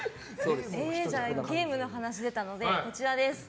ゲームの話が出たのでこちら。